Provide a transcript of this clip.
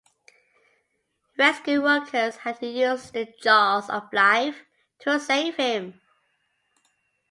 Rescue workers had to use the "jaws of life" to save him.